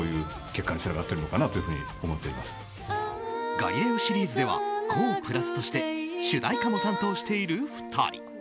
「ガリレオ」シリーズではＫＯＨ＋として主題歌も担当している２人。